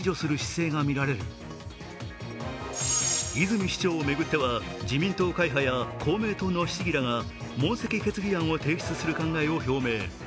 泉市長を巡っては自民党会派や公明党市議らが問責決議案を提出する考えを表明。